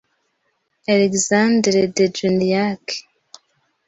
Alexandre de Juniac,